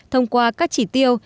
thông qua các chỉ tiêu